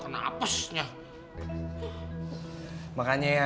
kalau gua ketangkep waduh udah